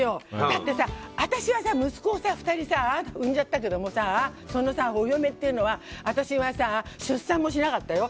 だってさ、私は息子を２人産んじゃったけどもお嫁っていうのは私はさ、出産もしなかったよ